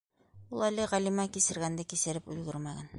Ул әле Ғәлимә кисергәнде кисереп өлгөрмәгән.